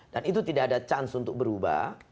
dan itu tidak ada chance untuk berubah